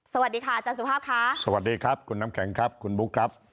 สวัสดีค่ะอาจารย์สุภาพค่ะสวัสดีครับคุณน้ำแข็งครับคุณบุ๊คครับ